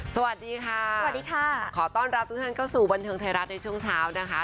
สวัสดีค่ะสวัสดีค่ะขอต้อนรับทุกท่านเข้าสู่บันเทิงไทยรัฐในช่วงเช้านะคะ